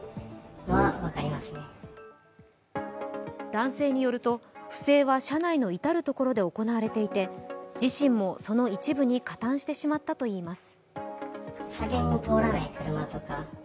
男性によると、不正は社内の至るところで行われていて自身もその一部に加担してしまったといいます。